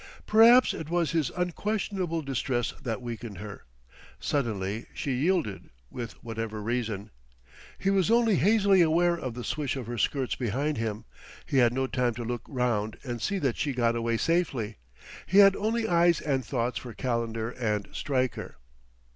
Perhaps it was his unquestionable distress that weakened her. Suddenly she yielded with whatever reason. He was only hazily aware of the swish of her skirts behind him; he had no time to look round and see that she got away safely. He had only eyes and thoughts for Calendar and Stryker.